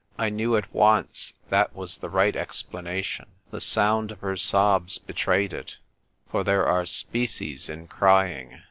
I knew at once that was the right explana tion. The sound of her sobs betrayed it. For there are species in crying.